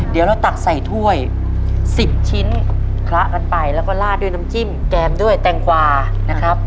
เดี๋ยวเราตักใส่ถ้วย๑๐ชิ้นคละกันไปแล้วก็ลาดด้วยน้ำจิ้มแกมด้วยแตงกวานะครับ